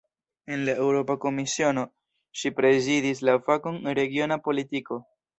En la Eŭropa Komisiono, ŝi prezidis la fakon "regiona politiko".